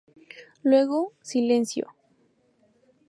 Luego, silencio.